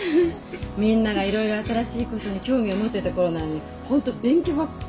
みんながいろいろ新しいことに興味を持ってた頃なのに本当勉強ばっかりしてたもの。